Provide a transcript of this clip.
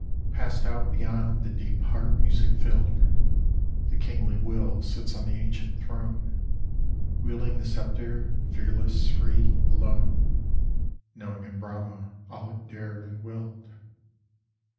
Passed out beyond the deep heart music filled, The kingly Will sits on the ancient throne, Wielding the sceptre, fearless, free, alone, Knowing in Brahma all it dared and willed.